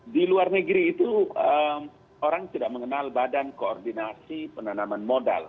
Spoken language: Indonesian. di luar negeri itu orang tidak mengenal badan koordinasi penanaman modal